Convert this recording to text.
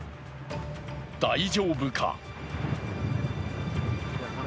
大丈夫か。